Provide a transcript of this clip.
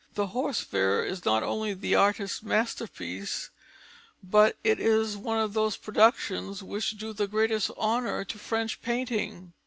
The Horse Fair is not only the artist's masterpiece, but it is one of those productions which do the greatest honour to French painting.